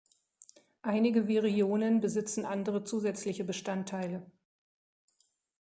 Einige Virionen besitzen andere zusätzliche Bestandteile.